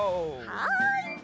はい。